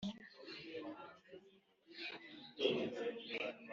abamerari bagakomoka kuri merari.